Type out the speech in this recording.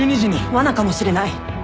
わなかもしれない。